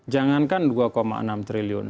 jangankan dua enam triliun